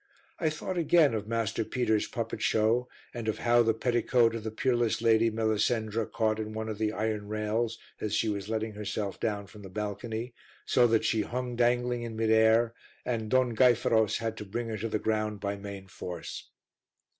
I thought again of Master Peter's puppet show and of how the petticoat of the peerless Lady Melisendra caught in one of the iron rails as she was letting herself down from the balcony, so that she hung dangling in midair, and Don Gayferos had to bring her to the ground by main force.